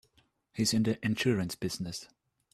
He's in the insurance business.